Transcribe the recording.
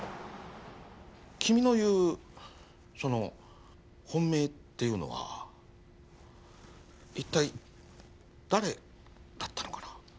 君の言うその本命っていうのは一体誰だったのかな？